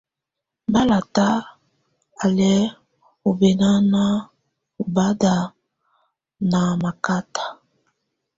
Bálátá á lɛ́ ɔ́ bɛ́naná ɔbáta ná mákáta.